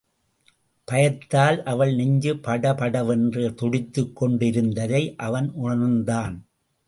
பயத்தால் அவள் நெஞ்சு பட படவென்று துடித்துக் கொண்டிருந்ததை அவன் உணர்ந்தான்.